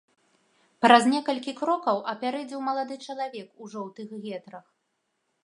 Праз некалькі крокаў апярэдзіў малады чалавек у жоўтых гетрах.